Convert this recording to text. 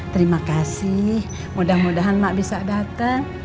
terima kasih mudah mudahan mak bisa datang